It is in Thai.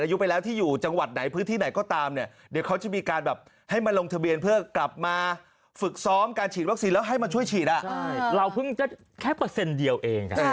ช่วยฉีดเราเพิ่งได้แค่เปอร์เซ็นต์เดียวเอง